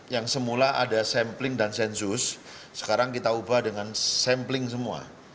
yang semula ada sampling dan sensus sekarang kita ubah dengan sampling semua